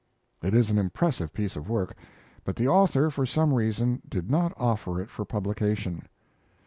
It is an impressive piece of work; but the author, for some reason, did not offer it for publication.